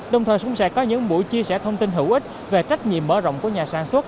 đồng thời cũng sẽ có những buổi chia sẻ thông tin hữu ích về trách nhiệm mở rộng của nhà sản xuất